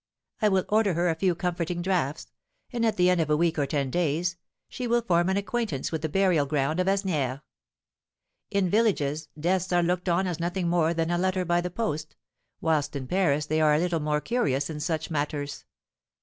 I will order her a few comforting draughts; and at the end of a week or ten days, she will form an acquaintance with the burial ground of Asnières. In villages, deaths are looked on as nothing more than a letter by the post, whilst in Paris they are a little more curious in such matters.